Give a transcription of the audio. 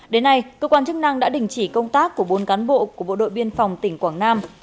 đến nay cơ quan chức năng đã đình chỉ công tác của bốn cán bộ của bộ đội biên phòng tỉnh quảng nam